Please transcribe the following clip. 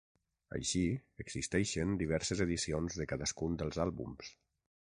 Així, existeixen diverses edicions de cadascun dels àlbums.